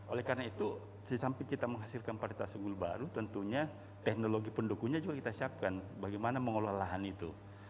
oleh karena itu sesamping kita menghasilkan varietas unggul baru tentunya teknologi pendukunya juga kita siapkan bagaimana mengelola lahan itu